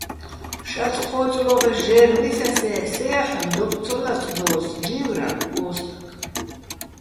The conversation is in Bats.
"შაწ-ჴო́წლოღეშ ჟე́რო̆ ვისასე́, სე ჲაჰ̦ონ დოკ ცო ლაწდო́ს", - ლი́ვრალო̆ ო სტაკ.